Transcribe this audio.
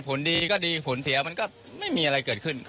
ผลดีก็ดีผลเสียมันก็ไม่มีอะไรเกิดขึ้น